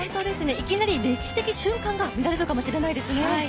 いきなり歴史的瞬間が見られるかもしれないですね。